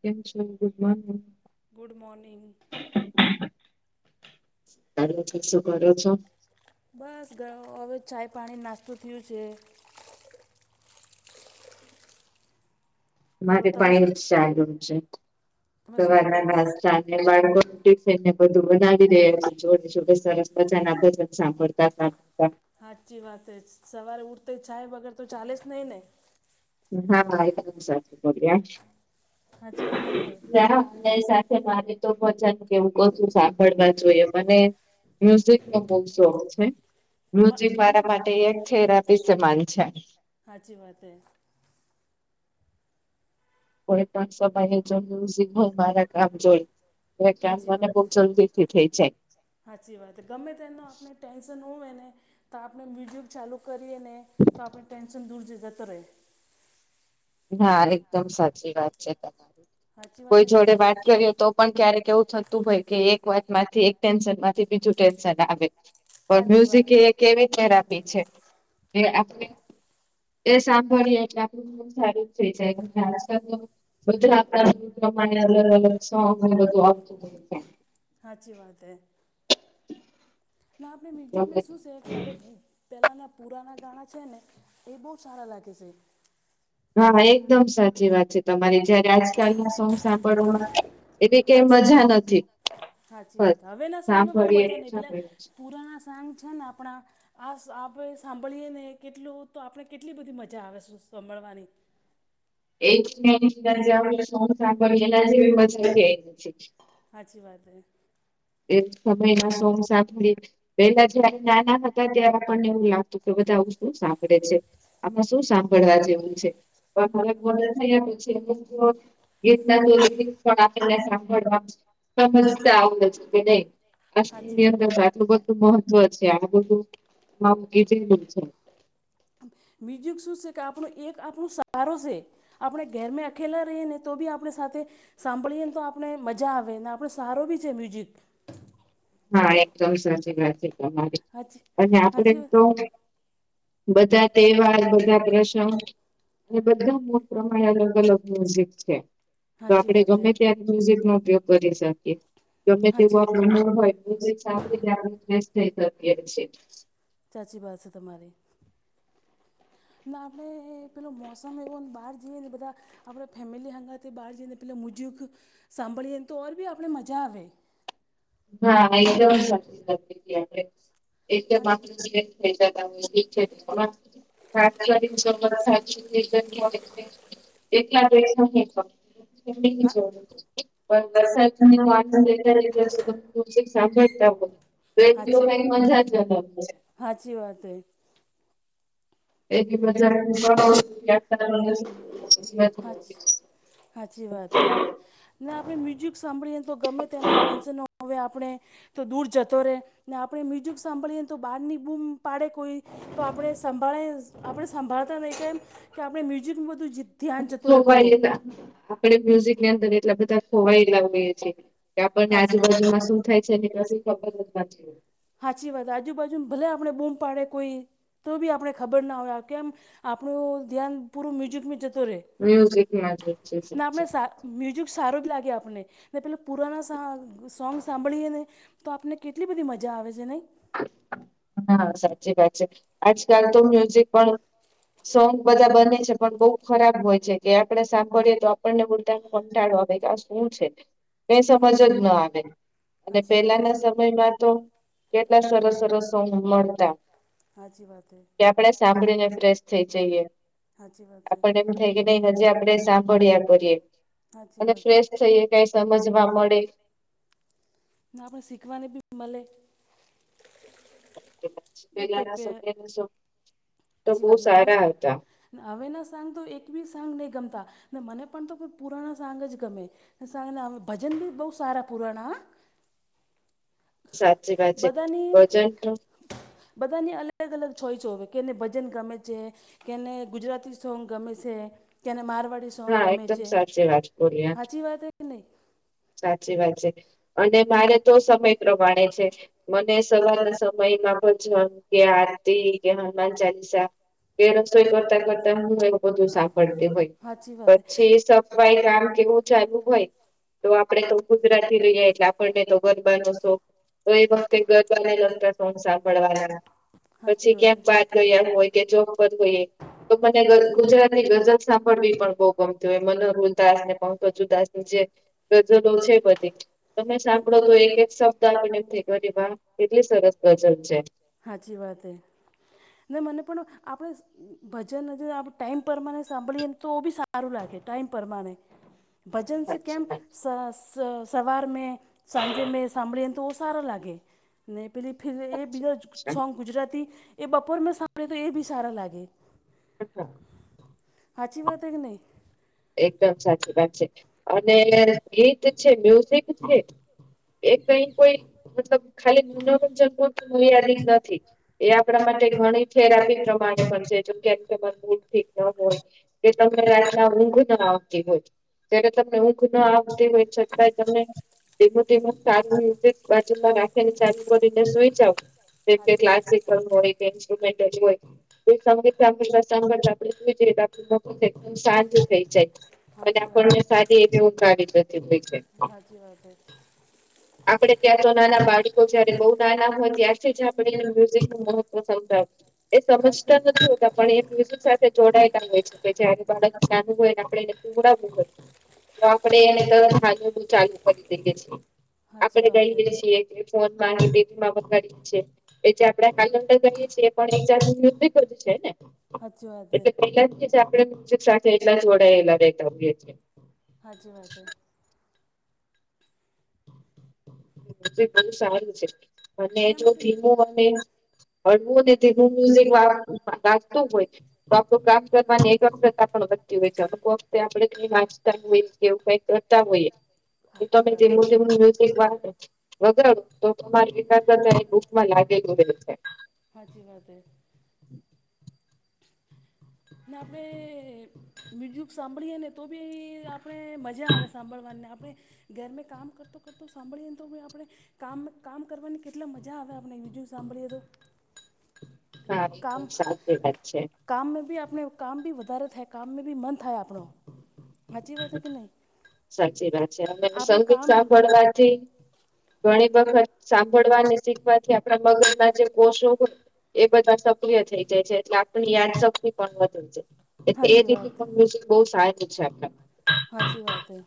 કેમ છો good morning good morning તમે શું શૂં કરો છો બસ હવે ચાય પાણી નાસ્તું થયું છે બોલો મારે તમે શું પણ જ ચાલુ છે તમે તો શું કરતા હતા? સાવારના બાળકો ટીફિંન ને બધું બનાવીદે છો છોટસતા સાંભળતા હતા હા હાજચ વાત હ સવારે ઉઠતા ચાય વગર તો ચાલે જ નહી હા એકદમ સાચું સાચી વાત કે નહીં. બોલયા મારે તો વચન કેવું કશું સાંભળવા જોઈએ મને મ્યુઝિક નો બહુ શોખ છે મ મ્યુઝિક મને મારા માટે એક થેરાપી સમાન છે સાાચી વાત હે કોઇ પણ સમયે જો મ્યુઝિક હોય મારા કામ જોઈ એ કામ સાચી મને વાત બહુ જલ્દી થી થઈ જાય સાચી વાત ગમે તે એનું આપણે ટેન્શન હોવ એને તો આપણે મ્યુઝિક ચાલુ કરીએ ને તો આપણે ટેન્શન દૂર જ જતો રહે હા એકદમ સાચી વાત છે તમારી સાચી વાત કોઈ કે જોડે નહીં વાત કરીએ તો પણ ક્યારેક એવું થતું હોય કે એક વાત માંથી એક ટેન્શન માંથી બીજું ટેન્શન આવે પણ સાચી વાત મ્યુઝિક એક કેવી પરાપી છે એ આપણે એ સાંભળીએ એટલે આપ સારુ જ થઈ જાય બધા આપણા પ્રમાણે અલગ અલગ સોંગને બધું આવતું હોઇ છે હાચી વાત હૈ ના આપણે મ્યુઝિકમાં શું છે કે હવે ભું પહેલાંના પુરાના ગાણાં છે ને એ બહુ સારા લાગે છે હા એકદમ સાચી વાત છે તમારે જયારે આજકાલ ના સોંગ સાંભળવામાં એવી કઈ હાચી મજા નથી સાચી બસ વાત સાંભળીએ પુરાણા સાંગ છે આપણા આ આપણે સાંભળીએ ને કેટલું તો આપણે કેટલી બધી મજા આવે છે સાંભળવાની એ સ સાંભળી એના જે મજા કે નથી સાાચી વાત એક સમયના સોંગ સાળી પેલા જ નાના હતા ત્યારે આપણને એવું લાગતું કે બધાું શું સાંભળે છે આમાં શું સાંભળવા જેવું છે પણ મને મદા થઈયાછી એલા તો પણ આપેને સાંભળવા સમજ આવ સાચી નની વાત અંદર હે. સાટલું બધ મહત્વ છે આ બધું મા કીધલું છે મ્યુઝિક શું છે કે આપણું એક આપણો સહારો છે આપણે ઘેર મે અકેલા રહીએ ને તો બી આપણે સાથે સાંભળીએને તો આપણે મજા આવે ને આપણે સારો બી છે મ્યુઝિક હા એકદમ સાચી વાત છે તમારી હાચી અને આપડે હાચી તો બધા તહેવાર બધા પ્રસંગ અને બધા મો પ્રમાણે અલગ અલગ મ્યુઝિક છે તો હાચી આપડે વાત હે ગમે ત્યા મ્યુઝિક નો ઉપયોગ કરી શકીએ ગમે તેવું સાચી બું હોય આપ ફ થઈ જ સાાચી વાત છે તમારી ના આપણે પેલોું મોસમ એવો બહાર જઈએ ને બધા આપણે ફેમિલી હંગથે બહાર જઈને પેલા મુજક સાંભળીએને તો ઓર બી આપણે મજા આવે હા એકદમ સી એકદમ આપ હાચી છે એકલા દસ ન હા પણ દર વા લે જશ સાંભળતા હોય તો એટલે હાચી મજા જ બના છે હાચી વાત હૈ એથી બજાર હાચી બ [inaudible] ના આપણે મ્યુઝિક સાંભળીએ તો ગમે તેનો ટેન્શનવે આપણે તો દૂર જતો રહે ને આપણે મ્યુઝિક સાંભળીએને તો બહાર ની બૂમ પાડે કોઈ તો આપે સંભાળે આપણે સંંભાળતા નહીં કે એમ કે આપણે મ્યુઝિકનું બધું જી ખોવાય આપણે મ્યુઝિકની અંદર એટલા બધા ખોવાયેલા હોઈએ છીએ કે આપણને હાચી આજુબાજુમાં શું થાય છે ી ખબર જ વાત સાાચી વાત આજુબાજુને ભલે આપણે બૂમ પાડે કોઈ તો બી આપણે ખબર ના હોય કેમ આપણું ધ્યાન પૂરું મ્યુઝિકમાં જતો રહે મ્યુઝિક ને આપણે સા મ્યુઝિક સારો જ લાગે આપણને ને પેલા પુરાના સોંગ સાંભળીએ ને તો આપને કેટલી બધી મજા આવે છે નહી હા સાચી વાત છે આજકાલ તો મ્યુઝિક પણ સોંગ બધા બને છે પણ બહુ ખરાબ હોય છે કે આપડે સાંભળએ તો આપણને કંટાળો આવે કે આ શું છે. ક સમજ જ હાચી ના આવે અને હાચી વાત હે પેલાના સમયમાં તો કેટલા સરસ સરસો મળતા હાચી વાત હે કે આપણેે સાંભળીને ફ્રેશ થઈ જઈએ સાાચી વાત એ થાય કે ન હજી આપડે સાંભળ્યા કરીએ હાચી અને વાત હે ફ્રેશ થઈએ કઈ સમજવા મળે આપણે શીખવાને બી મળે પલા સો સાછી વાત ના હમે હવેના સાંગ તો એક બી સાંગ નહીં ગમતા ને મને પણ તો પુરાના સાંગ જ ગમે. સાંગને ભજન બી બહુ સારા પુરાણા હા. સાચી વાત છે ભજન નું. બધાને અલગ અલગ છોય છોવે કેને ભજન ગમે છે. કેને ગુજરાતી સોંગ ગમે છે કેને મારવાડી સોંગ હા ગમે એકદમ છે સાચી વાત બોલી હાચી વાત એ નહીં? સાચી વાત છે અને મારે તો સમય પ્રમાણે છે. મને સવારના સમયમાં ભજપન કે આરતી કે હનુમાન ચાલીસા. એ રસોઈ કરતા કરતાં હું બધું સાંકળતી હોય. સાચી વાત હે પછી સફાઈ કામ કેવું ચાલુ હોય તો આપડે તો ગુજરાતી થી જોઈ જાય એટલે આપણને તો ગરબાનો શોખ તો એ વખતે ગરબા ન લગતા સાંભળવાના સાચી પછી વાત હે ક્યાંક [unintelligible] હોય કે જો પર હોય. તો મને ગુજરાત ની ગજલ સાંભળવી પણ બહુ ગમતી હોય મને ઉદાસ ને પહદાસની જે [unintelligible] બધી તમે હા સાંભળો તો એક એક સપ્તાહ આપ થ વા કેટલી સરસ ગજલ છે. સાચી વાત હ ને મને પણ આપણે ભજન હજ આપ ટાઈમ પરમાણે સાંભળીએ ને તો બી સારું લાગે ટાઈમ પરમાણે. ભજનસ સાચી કેમ્પ વાત સ સ સવાર મે સાંજેમાં સાંભળી તો સારો લાગે ને પેલી એ બીજા સાચી સોંગ ગુજરાતી એ બપોર માં સાંભળે તો એ બી સારા લાગે. [inaudible] હાચી વાત હ કે નહી? એકદમ સાચી વાત છે અને ગીત છે મ્યુઝિક છે. એ કઈ કોઈ મતલબ ખાલી મનોરંજન કો યાદી જ નથી. એ આપણા માટે ઘણી થેરાપી પ્રમાણે પણ છે જો કે હોય. [unintelligible] આવતી હોય જ્યારે તમને ઊંઘ ના આવતી હોય છતાંય તમે. તેમાં તે સારું રતે બાજુમાં રાખી ને ચાલુ કરીને સઈ જાવ કેમ કે સાચી ક્લાસ વાત હે સીખનું હોય કે ઇન્સ્ટ્રુમેન્ટ હોય [unintelligible] થઈ જાય અને સાચી વાત આપણ હે મે સારી એવું કરાવી હતી છે. સાચી વાત હે આપડે ત્યાં તો નાના બાળકો જયારે બહ નાના હોય ત્યારથી જ આપણે એ મ્યુઝિક નું મહત્વ સમજાવ. એ સમજતા નથી હોતા પણ એ બ સાથે જોડાયેલા હોય છે કે જયારે બાળક ના હોય ને આપડ એને પવડાવવું હોયું. તો આપણે એને તસ સાજવું ચાલુ કરી દઈએે છીએ સાચી આપણેે વાત હે કહીએે છીએ. ફોન મા તે માફત કરી છે એ જે આપડે કાલંદર કહીએ છીએ પણ એક જાત મૃત છે ને સાચી વાત હે એટલે પેલા આપ સાથે એટલા જ વડેલાેતાએ છીએ. હાજી વાત બહુ સારું છે અને એના જો માટે ધથીીમું અ હળવું ને તેું મ્યુઝિક વાગતું હોય ડો કામની વતી હોય છે આપણે વાસ્તા હોઈ કેવું કઈ તા હોઈએ તો સાચી તમે તેમ વાત હે તેમનું મ્યુઝિક વા બગર તો તમારી વિકાસ બુકમાં લાગેલું છે. હાચી વાત એ. આપણે મ્યુઝિક સાંભળીએ ને તો ભી એ આપ આપણે મજા આવે સાંભળવાને આપણે ઘરમેં કામ કરતો કરતો સાંભળીએને તો પણ આપણે કામ કામ કરવાની કેટલા મજા આવે આપણે મ્યુઝિક સાંભળીએ તો. હા કામ સાચી વાત છે કામમાં ભી આપણે કામ ભી વધારે થાય કામમાં ભી મન થાય આપણો સાચી વાત હે કે નહીં સાચી વાત છે અને આપણે સંગીત કામ સાંભળવાથી ઘણી વખત સાંભળવા અને શીખવાથી આપણા મગજ ના જે કોષોય એ બધા સક્રિય થઈ જાય છે એટલે આપની યાદશક્તિ પણ વધુ જાય એ સાચી રી વાત પણ મ્યુઝિક બહ સારીું છે આપ સાાચી વાત હૈ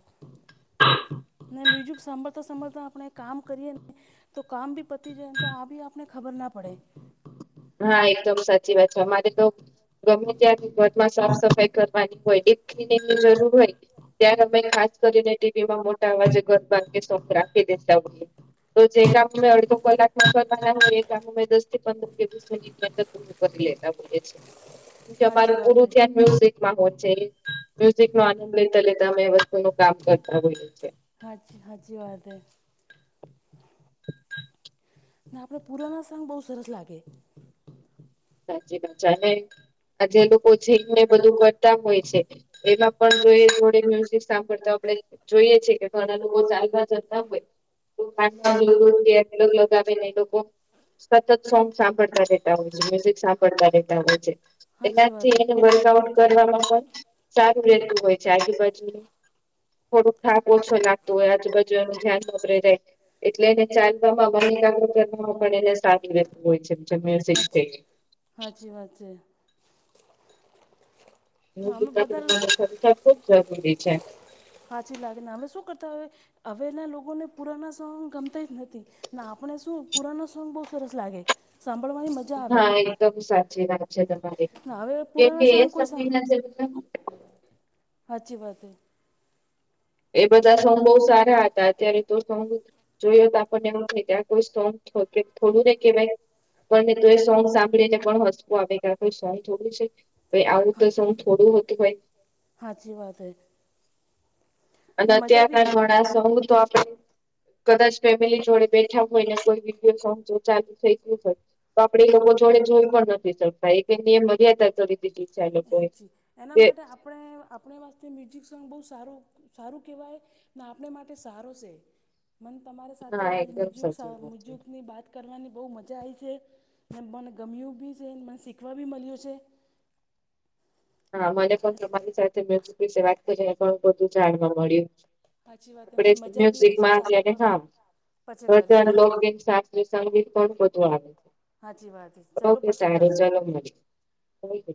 મ્યુઝિક સાંભળતા સાંભળતા આપણે કામ કરીએ ને તો કામ બી પતી જાય તો આ બી આપણે ખબર ના પડે હા એકદમ સાચી વાત છે અમારે તો ગમે ત્યાં ઘરમાં સાફ સફાઈ કરવાની હોય દેનેની જરૂર હોય ત્યારે અમે ખાસ કરીને ટીવી માં મોટા અવાજે ગરબંધ કે સોખ રાખી દેતા તો જે કામ મે અડધો કલાકનાય એ કામ દ લેતા હો કે અમારે સાચી વાત પૂરું હે ધ્યાન મેવશે નો આનંદ લેતાેતા અમે વસ્તુ ન કામ કરતા હોઈએ છી હાચી સાાચી વાત હ ને આપડણે પુરાના સાંગ બહુ સરસ લાગે સાચી વાત છે અને આ જે લોકો છેીક ને બધું કરતા હોય છે એમાં પણ જોઈ થડે મ્યુઝ કરતા આપડ જોઈએ છે કે ઘણા લોકો ચાલતા જતા હોય ક લગાવે ને લોકો સતત સોંગ સાંભળતા ર રહે સાપડતા રહેેતા હોય છે સાચી વાત એનાથી હે એ વર્કઆઉટ કરવામાં પણ સારું રહેતું હોય છે આજુબાજુ થોડુંક થાક ઓછો લાગતું હોય આજુ બાજુ એનું ધ્યાન વપરે જાય એટલે એને ચાલવામાં લાખ રૂપિયામાં એને સાેત હોય છે જે મ્યુઝિક થી હાજીી હાજીી વા છે હા અમે બધા રીા ખુબ જરૂરી છે પાછી લાગેને અમે શું કરતા હોય હવેના લોકોને પુરાના સોંગ ગમતા જ નથી ના આપણે શું પુરાનો સોંગ બહુ સરસ લાગે સાંભળવાની મજા આવે હા એકદમ સાચી વાત છે તમારી ને હવે કેમકે પુરાના એ સોંગ કોઈ સા સમયના છે સાચી વાત એ બધા સોંગ બહુ સારા હતા અત્યારે તો સોંગ જોઈયો તો આપણને એવું થ ત્યાં કોઈ સ્ટોન થોડુંને કવાય પણને તો એ સોંગ સાંભળીને પણ હસવું આવે કેઈ સહી જોોલી છે ભ આવું તો શૌ થોડું હતું હોય હાચી વાત હૈ અને અત્યારના વડા સઘ તો આપડે કદાચ ફેમિલી જોડે બેઠા હોય ને કોઈ વિડીયો ચાલુ થઈ ગું હોય તો આપડે એ લોકો જોડે જોઈ પણ નથી શકતા એ કઈ નિયમ મ્યારી ચાલ હોય હાજી એના માટે આપણે આપણે વાસ્તે મ્યુઝિક સોંગ બહુ સારું સારું કહેવાય ને આપણે માટે સારો છે મને તમારી સાથે હા આજ એકદમ મ્યુઝિક સાચી વાત છે. મ્યુઝુિકની બાત કરવાની બહુ મજા આવી છે અને મને ગમ્યું બી છે મને શીખવા બી મળ્યું છે હા મને પણ તમારી સાથેુઝિક વિશે વાત કરી પણ બધું જાણવા મળ્યું સાચી વાત આપ મને મજા બી આવી છે ચાલો પ મ્યુઝિકમાંને, હા પછી કરીશ હા લોક સંગી પણ બધું આવે છે, સાચી વાત ચલો ઓકે પછી સારું કરું ચલો મળ ક